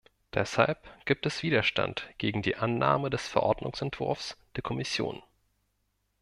Deshalb gibt es Widerstand gegen die Annahme des Verordnungsentwurfs der Kommission.